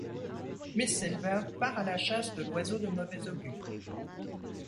Miss Silver part à la chasse de l'oiseau de mauvais augure.